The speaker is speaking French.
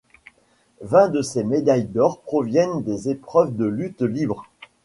Vingt de ces médailles d'or proviennent des épreuves de lutte libre.